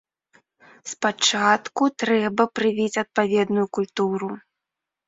Спачатку трэба прывіць адпаведную культуру.